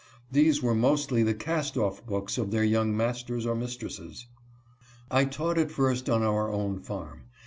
These were mostly the cast off books of their young masters or mistresses. I taught at first on our own farm.